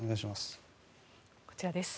こちらです。